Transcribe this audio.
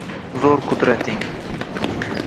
Zo’r qudrating